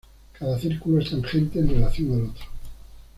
Cada círculo es tangente en relación al otro.